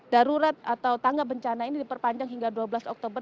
darurat atau tangga bencana ini diperpanjang hingga dua belas oktober